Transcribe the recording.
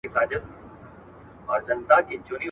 آيا انساني کرامت د هر چا له پاره مهم دی؟